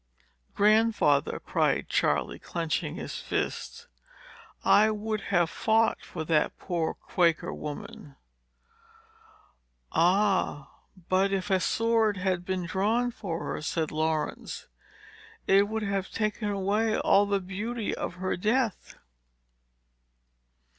"Grandfather," cried Charley, clenching his fist, "I would have fought for that poor Quaker woman!" "Ah! but if a sword had been drawn for her," said Laurence, "it would have taken away all the beauty of her death."